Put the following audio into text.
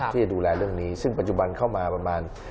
ที่จะดูแลเรื่องนี้ซึ่งปัจจุบันเข้ามาประมาณ